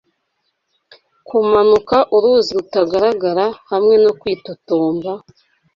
Kumanuka uruzi rutagaragara hamwe no kwitotomba